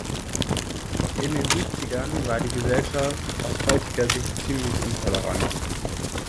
In den Siebzigern war die Gesellschaft aus heutiger Sicht ziemlich intolerant.